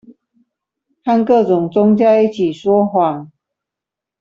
和各種宗教一起說謊